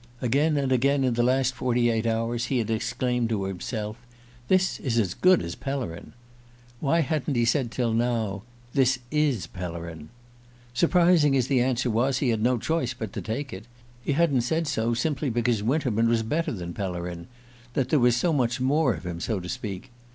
Again and again in the last forty eight hours he had exclaimed to himself: "This is as good as Pellerin." Why hadn't he said till now: "This is Pellerin"? ... Surprising as the answer was, he had no choice but to take it. He hadn't said so simply because Winterman was better than Pellerin that there was so much more of him, so to speak.